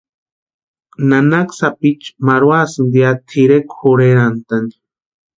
Nanaka sapichu marhuasïnti ya tʼirekwa jorherhantani.